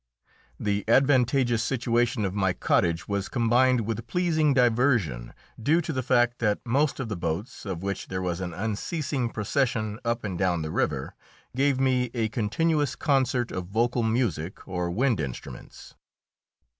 The advantageous situation of my cottage was combined with pleasing diversion, due to the fact that most of the boats, of which there was an unceasing procession up and down the river, gave me a continuous concert of vocal music or wind instruments.